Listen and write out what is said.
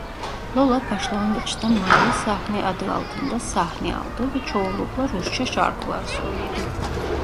Lola başlangıçta Maya sahne adı altında sahne aldı ve çoğunlukla Rusça şarkılar söyledi.